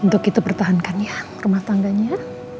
untuk kita pertahankan ya rumah tangganya